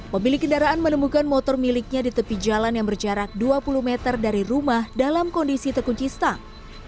pemilik kendaraan menemukan motor miliknya di tepi jalan yang berjarak dua puluh meter dari rumah dalam kondisi terkunci stang